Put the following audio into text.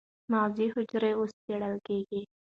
مغزي حجرې اوس څېړل کېږي.